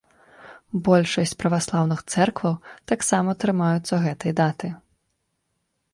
Большасць праваслаўных цэркваў таксама трымаюцца гэтай даты.